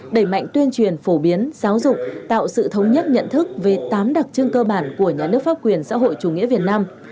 đẩy mạnh tuyên truyền phổ biến giáo dục tạo sự thống nhất nhận thức về tám đặc trưng cơ bản của nhà nước pháp quyền xã hội chủ nghĩa việt nam